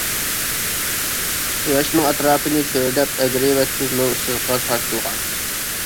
قۇياشنىڭ ئەتراپىنى چۆرىدەپ ئەگرى ۋە تۈز نۇر سىزىقلار تارتىلغان.